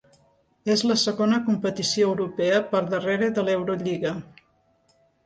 És la segona competició europea per darrere de l'Eurolliga.